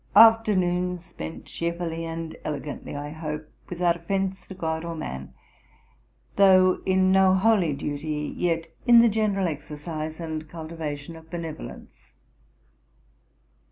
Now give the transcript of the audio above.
'Afternoon spent cheerfully and elegantly, I hope without offence to GOD or man; though in no holy duty, yet in the general exercise and cultivation of benevolence.'